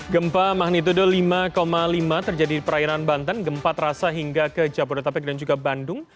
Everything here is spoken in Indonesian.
gempa magnitudo lima lima terjadi di perairan banten gempa terasa hingga ke jabodetabek dan juga bandung